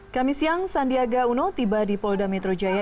kami siang sandiaga uno tiba di polda metro jaya